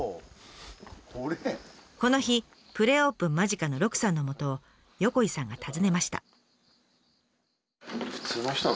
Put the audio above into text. この日プレオープン間近の鹿さんのもとを横井さんが訪ねました。